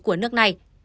của nước này